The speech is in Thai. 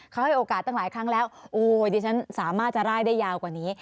เขาให้โอกาสตั้งหลายครั้งแล้วโอ้ยดิฉันสามารถจะไล่ได้ยาวกว่านี้